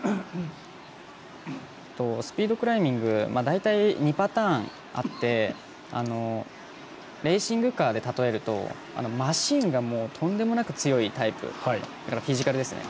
スピードクライミング大体２パターンあってレーシングカーで例えるとマシーンがとんでもなく強いタイプフィジカルですね。